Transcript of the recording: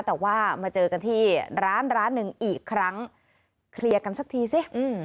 แต่ว่ามาเจอกันที่ร้านร้านหนึ่งอีกครั้งเคลียร์กันสักทีสิ